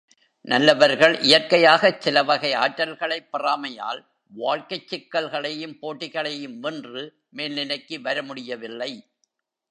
நல்லவர்கள் இயற்கையாகச் சிலவகை ஆற்றல்களைப் பெறாமையால், வாழ்க்கைச் சிக்கல்களையும் போட்டிகளையும் வென்று மேல்நிலைக்கு வரமுடியவில்லை.